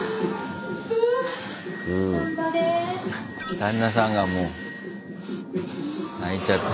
旦那さんがもう泣いちゃって。